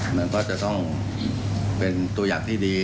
มันก็จะต้องเป็นตัวอย่างที่ดี